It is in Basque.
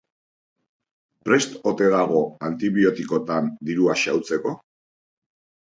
Prest ote dago antibiotikotan dirua xahutzeko?